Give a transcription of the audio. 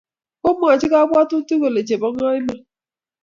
Kimwoch kabwatutik kole chebo ngo iman?